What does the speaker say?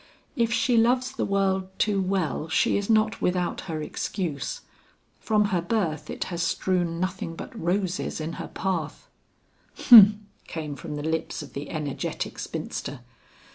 If she loves the world too well she is not without her excuse; from her birth it has strewn nothing but roses in her path." "Humph!" came from the lips of the energetic spinster.